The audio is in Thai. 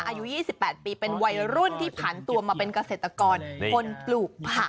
อายุ๒๘ปีเป็นวัยรุ่นที่ผ่านตัวมาเป็นเกษตรกรคนปลูกผัก